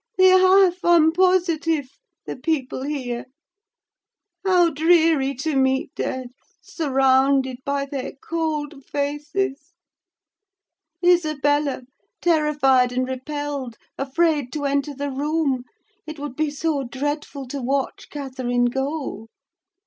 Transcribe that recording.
They have, I'm positive; the people here. How dreary to meet death, surrounded by their cold faces! Isabella, terrified and repelled, afraid to enter the room, it would be so dreadful to watch Catherine go.